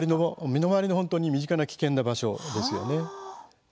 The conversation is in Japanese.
身の回りの本当に身近な危険な場所ですよね。